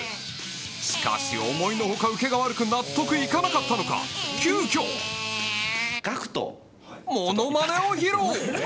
しかし思いの外ウケが悪く納得いかなかったのかものまねを披露。